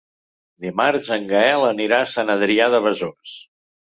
Dimarts en Gaël anirà a Sant Adrià de Besòs.